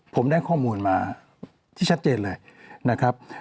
ผมได้ข้อมูลมาที่ชัดเจนเลยนะครับ